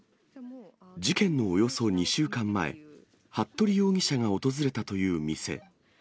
事件のおよそ２週間前、服部容疑者が訪れたという店。